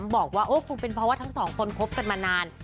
บอกว่าคงเป็นเพราะว่าทั้งสองคนคบกันมานาน